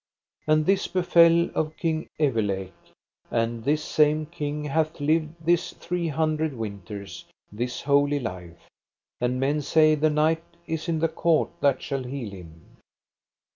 And this befell of King Evelake, and this same king hath lived this three hundred winters this holy life, and men say the knight is in the court that shall heal him.